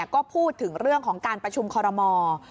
ก็พูดถึงเรื่องของการประชุมคอรมอล์